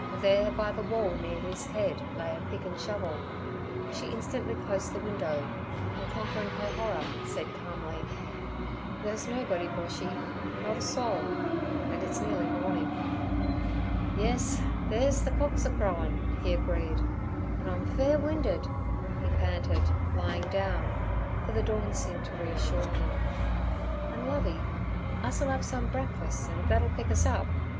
There by the wall near his head lay a pick and shovel. She instantly closed the window, and, conquering her horror, said calmly: 'There's nobody, Boshy, not a soul; and it's nearly morning.' 'Yes, theer's ther cocks a crowin" he agreed, 'an' I'm fair winded' he panted, lying down, for the dawn seemed to reassure him. 'An', Lovey, us'll 'ave some breakfuss, an' thet'll pick us up.